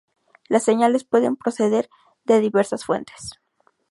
Las señales pueden proceder de diversas fuentes.